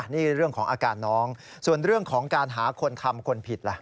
นี่เรื่องของอาการน้องส่วนเรื่องของการหาคนทำคนผิดล่ะ